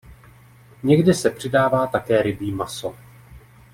Někdy se přidává také rybí maso.